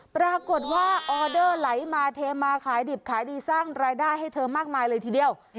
ปรากฏว่าออเดอร์ไหลมาเทมาขายดิบขายดีสร้างรายได้ให้เธอมากมายเลยทีเดียว